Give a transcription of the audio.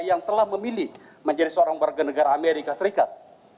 yang telah memilih menjadi seorang warganegara amerika serikat